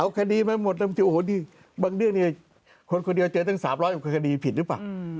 เอาคดีมาหมดบางเรื่องเนี่ยคนคนเดียวเจอตั้งสามร้อยของคดีผิดหรือเปล่า